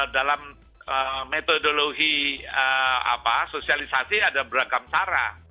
dalam metodologi sosialisasi ada beragam cara